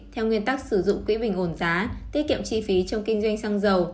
theo nguyên tắc sử dụng quỹ bình ổn giá tiết kiệm chi phí trong kinh doanh xăng dầu